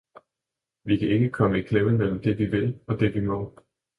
vi kan komme i klemme mellem det vi vil og det vi må.